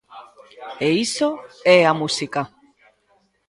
E iso é a música.